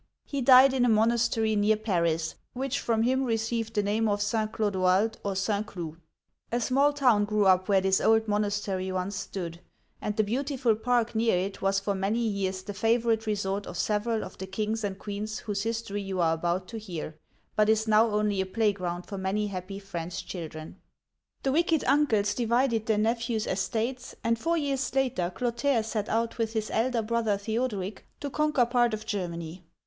He died in a monastery near Paris, which from him received the name of (St. Clodoald, or) St. Cloud (sSn cloo'). A small town grew up where this old monastery once stood; and the uigitizea oy vjiOOQlC S6 OLD FRANCE beautiful park near it was for many years the favorite re sort of several of the kings and queens whose history you are about to hear, but is now only a playground for many happy French children. The wicked uncles divided their nephews' estates, and four years later Clotaire set out with his elder brother The od'eric to conquer part of Germany.